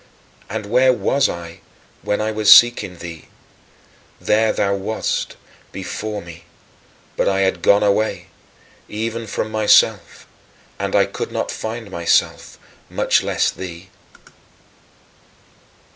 And where was I when I was seeking thee? There thou wast, before me; but I had gone away, even from myself, and I could not find myself, much less thee.